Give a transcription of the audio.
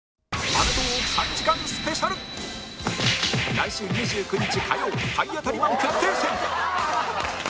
来週２９日火曜体当たりマン決定戦